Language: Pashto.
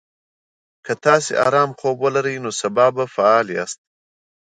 که تاسي ارام خوب ولرئ، نو سبا به فعال یاست.